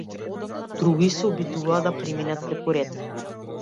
Други се обидуваа да преминат преку ред.